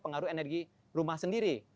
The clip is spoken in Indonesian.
pengaruh energi rumah sendiri